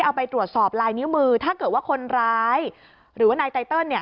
เอาไปตรวจสอบลายนิ้วมือถ้าเกิดว่าคนร้ายหรือว่านายไตเติลเนี่ย